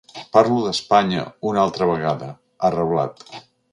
Parlo d’Espanya una altra vegada, ha reblat.